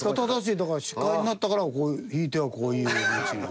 だから司会になったからひいてはこういう道に。